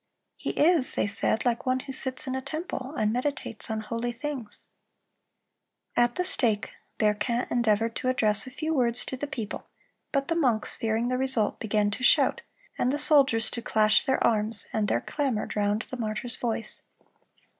"He is," they said, "like one who sits in a temple, and meditates on holy things."(326) At the stake, Berquin endeavored to address a few words to the people; but the monks, fearing the result, began to shout, and the soldiers to clash their arms, and their clamor drowned the martyr's voice.